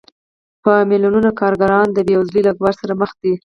په میلیونونو کارګران د بېوزلۍ له ګواښ سره مخ دي